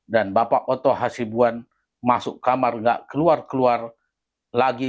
dan bapak otto hasibuan masuk kamar tidak keluar keluar lagi